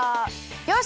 よし！